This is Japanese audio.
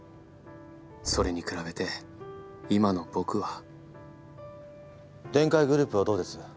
それに比べて今の僕はデンカイグループはどうです？